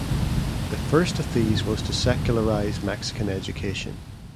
The first of these was to secularize Mexican education.